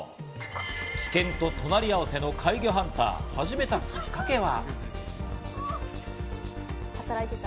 危険と隣合わせの怪魚ハンター、始めたきっかけは？